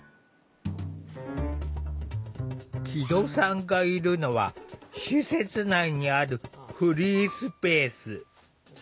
木戸さんがいるのは施設内にあるフリースペース。